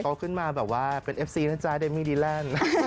เขาขึ้นมาแบบว่าเป็นเอฟซีนะจ๊ะเดมี่ดีแลนด์